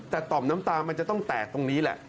แต่ต่อมน้ำตามันจะต้องแตกตรงนี้แหละ